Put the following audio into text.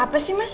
apa sih mas